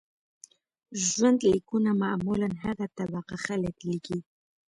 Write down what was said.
ژوند لیکونه معمولاً هغه طبقه خلک لیکي.